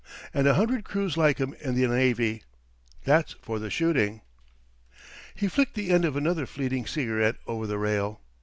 And a hundred crews like 'em in the navy. That's for the shooting." He flicked the end of another fleeting cigarette over the rail.